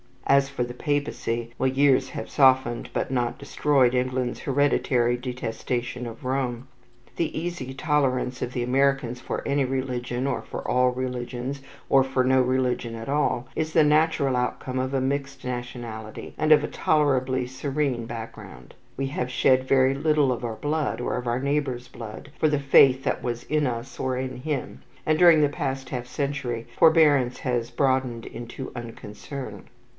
As for the Papacy, well, years have softened but not destroyed England's hereditary detestation of Rome. The easy tolerance of the American for any religion, or for all religions, or for no religion at all, is the natural outcome of a mixed nationality, and of a tolerably serene background. We have shed very little of our blood, or of our neighbour's blood, for the faith that was in us, or in him; and, during the past half century, forbearance has broadened into unconcern.